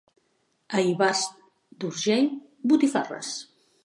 A Ivars d'Urgell, botifarres.